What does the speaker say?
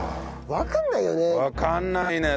わからないよね。